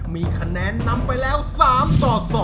มีคะแนนนำไปแล้ว๓ต่อ๒